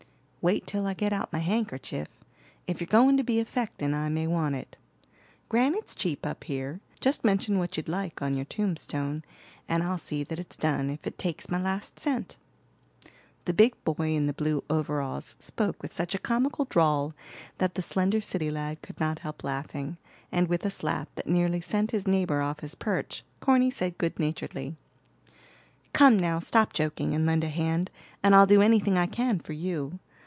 "Wait till I get out my handkerchief; if you're going to be affectin' I may want it. Granite's cheap up here; just mention what you'd like on your tombstone and I'll see that it's done, if it takes my last cent." The big boy in the blue overalls spoke with such a comical drawl that the slender city lad could not help laughing, and with a slap that nearly sent his neighbor off his perch, Corny said good naturedly: "Come now, stop joking and lend a hand, and I'll do anything I can for you.